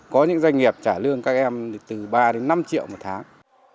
có những doanh nghiệp trả lương các em từ ba đến năm triệu một tháng